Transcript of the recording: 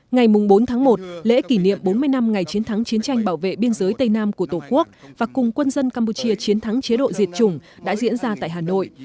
ngày bốn tháng một lễ kỷ niệm bốn mươi năm ngày chiến thắng chiến tranh bảo vệ biên giới tây nam của tổ quốc và cùng quân dân campuchia chiến thắng chế độ diệt chủng đã diễn ra tại hà nội